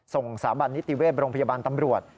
สาบันนิติเวศโรงพยาบาลตำรวจ